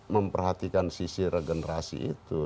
memperhatikan sisi regenerasi itu